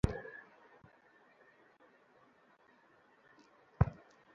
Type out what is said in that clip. রূপপুর পারমাণবিক বিদ্যুৎকেন্দ্রের প্রযুক্তি পরিবর্তন নিয়ে সরকারের মধ্যে তীব্র মতভেদ বিরাজ করছে।